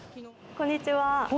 こんにちは。